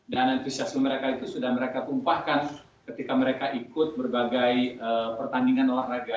dan antusiasme mereka itu sudah mereka tumpahkan ketika mereka ikut berbagai pertandingan olahraga